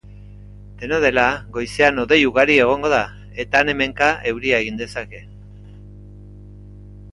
Dena dela goizean hodei ugaria egongo da eta han-hemenka euria egin dezake.